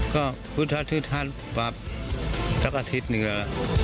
ก็พุทธท่านปรับสักอาทิตย์หนึ่งแล้ว